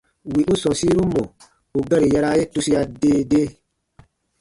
Wì u sɔ̃ɔsiru mɔ̀ ù gari yaraa ye tusia dee dee.